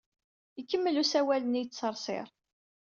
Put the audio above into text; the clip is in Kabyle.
Ikemmel usawal-nni yettsersir.